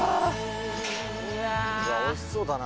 美味しそうだな。